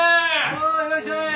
おういらっしゃい！